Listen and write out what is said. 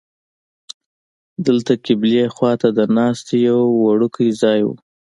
دلته قبلې خوا ته د ناستې یو وړوکی ځای و.